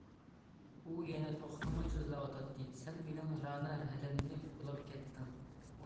ئۇ يەنە توختىماي سۆزلەۋاتاتتى- سەن مېنىڭ رەنا ھەدەمنى بۇلاپ كەتتىڭ؟!